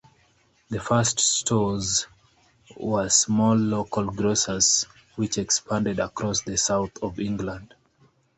The first stores were small local grocers, which expanded across the south of England.